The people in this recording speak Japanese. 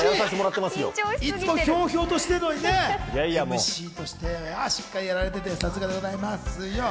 いつも、ひょうひょうとしているのにＭＣとしてしっかりやられていて、さすがですよ。